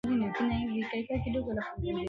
sera hiyo ilidhoofisha ufalme wa bukini